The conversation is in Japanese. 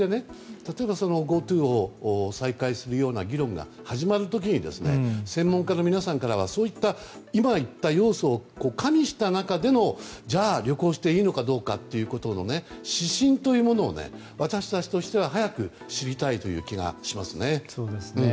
例えばＧｏＴｏを再開するような議論が始まる時に専門家の皆さんからはそういった今言った要素を加味した中でのじゃあ旅行していいのかどうかの指針というものを私たちとしては早く知りたいという気がしますよね。